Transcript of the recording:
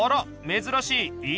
珍しい。